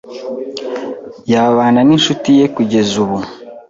Yabana ninshuti ye kugeza ubu.